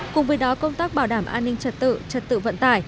cùng với đó công tác bảo đảm an ninh trật tự trật tự vận tải